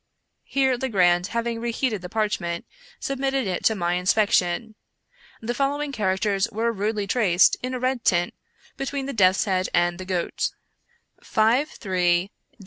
Here Legrand, having reheated the parchment, submitted it to my inspection. The following characters were rudely traced, in a red tint, between the death's head and the goat: "53Ht305))6*;4826)4)4l